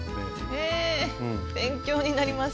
へえ勉強になります。